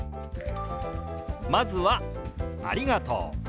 まずは「ありがとう」。